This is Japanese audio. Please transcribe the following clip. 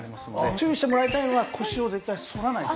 注意してもらいたいのは腰を絶対反らないことです。